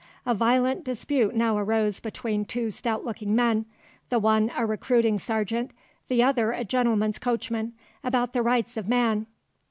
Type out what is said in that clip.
A violent dispute now arose between two stout looking men, the one a recruiting sergeant, the other a gentleman's coachman, about the Rights of Man....